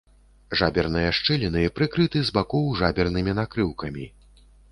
Жаберныя шчыліны прыкрыты з бакоў жабернымі накрыўкамі.